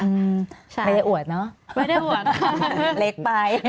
ไม่ได้อ่วดเนอะเล็กไป